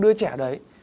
đứa trẻ đấy